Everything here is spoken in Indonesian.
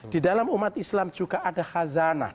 di dalam umat islam juga ada hazanah